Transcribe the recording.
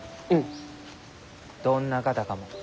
どんな方かも。